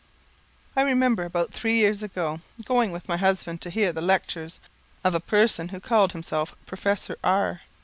I remember, about three years ago, going with my husband to hear the lecturers of a person who called himself Professor R